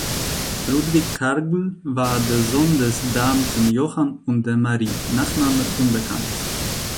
Ludwig Kargl war der Sohn des Beamten Johann und der Marie (Nachname unbekannt).